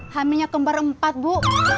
hamilnya kembar empat bu